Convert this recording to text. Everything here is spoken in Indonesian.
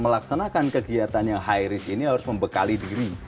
tentu saja mereka yang akan melaksanakan kegiatan yang high risk ini harus membekali diri